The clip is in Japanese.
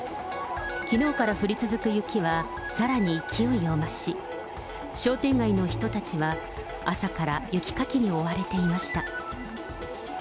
きのうから降り続く雪は、さらに勢いを増し、商店街の人たちは朝から雪かきに追われていました。